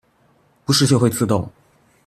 不是就會自動